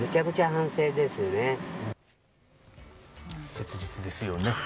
切実ですよね。